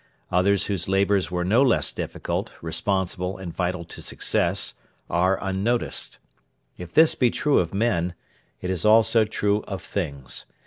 Others whose labours were no less difficult, responsible, and vital to success are unnoticed. If this be true of men, it is also true of things.